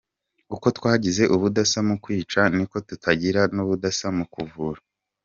Uko twagize ubudasa mu kwica, niko tugira n’ubudasa mu kuvura.